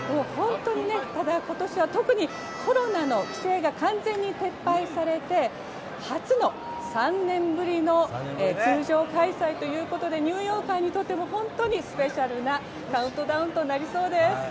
ただ今年は特にコロナの規制が完全に撤廃されて初の３年ぶりの通常開催ということでニューヨーカーにとっても本当にスペシャルなカウントダウンとなりそうです。